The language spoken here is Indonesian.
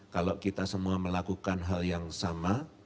kalau kita semua melakukan hal yang sama